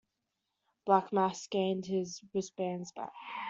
Black Mass gained his wristbands back.